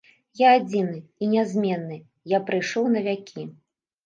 Я адзіны і нязменны, я прыйшоў на вякі.